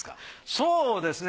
そうですね